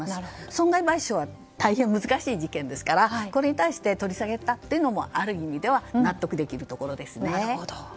損害賠償は大変難しい事件ですからこれに対しても取り下げたのはある意味では納得できるところですね。